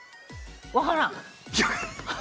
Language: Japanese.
分からん！